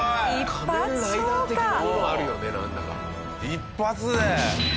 一発で！